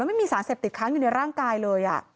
ไม่มีสารเสพติดค้างอยู่ในร่างกายเลย